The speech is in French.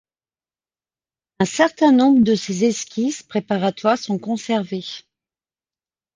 Un certain nombre de ces esquisses préparatoires sont conservées.